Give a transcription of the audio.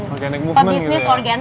organic movement gitu ya